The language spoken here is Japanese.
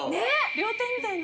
料亭みたいな。